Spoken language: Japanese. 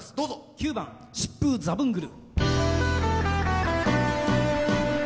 ９番「疾風ザブングル」。